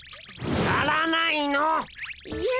やらないの？